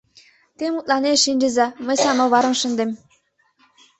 Те мутланен шинчыза, мый самоварым шындем.